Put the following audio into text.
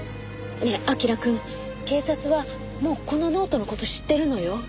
ねえ彬くん警察はもうこのノートの事知ってるのよ。